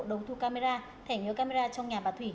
đầu thu camera thẻ nhớ camera trong nhà bà thủy